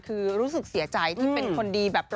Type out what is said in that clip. คือรู้สึกเสียใจที่เป็นคนดีแบบ